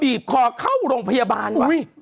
บีบคอเข้าโรงพยาบาลอุ้ย